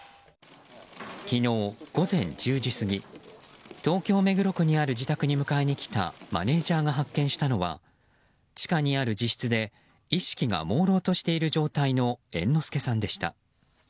昨日午前１０時過ぎ東京・目黒区にある自宅に迎えに来たマネジャーが発見したのは地下にある自室で意識がもうろうとしている状態の猿之助さんでした。